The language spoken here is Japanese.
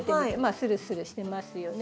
スルスルしてますよね。